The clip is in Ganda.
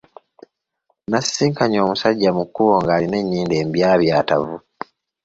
Nasisinkanye omusajja mu kkubo ng’alina ennyindo embyabyatavu.